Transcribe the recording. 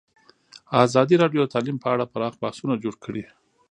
ازادي راډیو د تعلیم په اړه پراخ بحثونه جوړ کړي.